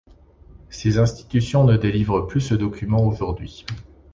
Ces institutions ne délivrent plus ce document aujourd'hui.